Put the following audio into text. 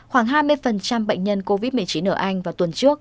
khoảng hai mươi bệnh nhân covid một mươi chín ở anh vào tuần trước